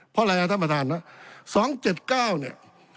เพราะอะไรนะท่านประธานนะ๒๗๙เนี่ย